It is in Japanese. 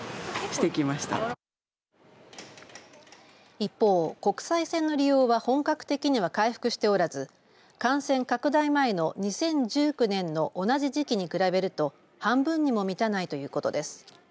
一方、国際線の利用は本格的には回復しておらず感染拡大前の２０１９年の同じ時期に比べると半分にも満たないということです。